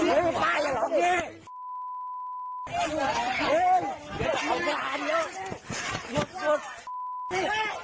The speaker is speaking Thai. ไอ้สวัสดี